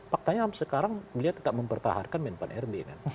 faktanya sekarang beliau tetap mempertahankan men pan rbn